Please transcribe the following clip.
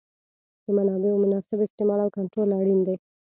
د منابعو مناسب استعمال او کنټرولول اړین دي.